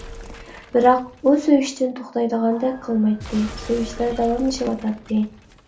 بىراق ئۇ سۆيۈشتىن توختايدىغاندەك قىلمايتتى. سۆيۈشلەر داۋاملىشىۋاتاتتى.